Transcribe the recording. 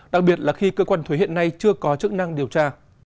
đặc biệt là khi cơ quan thuế hiện nay chưa có chức năng điều tra